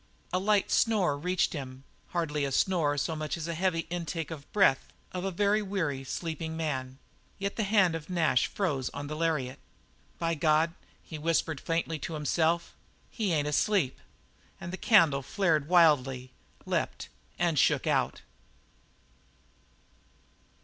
A light snore reached him, hardly a snore so much as the heavy intake of breath of a very weary, sleeping man; yet the hand of Nash froze on the lariat. "By God," he whispered faintly to himself, "he ain't asleep!" And the candle flared wildly, leaped, and shook out.